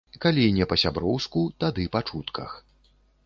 Калі не па-сяброўску, тады па чутках.